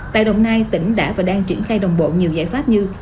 tại đồng nai tỉnh đã và đang triển khai đồng bộ nhiều giải pháp như